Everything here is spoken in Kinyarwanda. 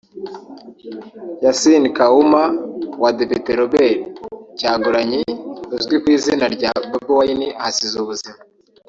Yasin Kawuma wa Depite Robert Kyagulanyi uzwi ku izina rya Bobi Wine ahasize ubuzima